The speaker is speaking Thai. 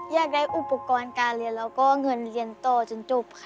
อยากได้อุปกรณ์การเรียนแล้วก็เงินเรียนต่อจนจบค่ะ